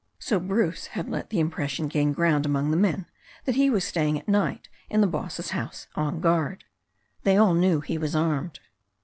So Bruce had let the impression gain ground among the men that he was staying at night in the boss's house on guard. They all knew he was armed.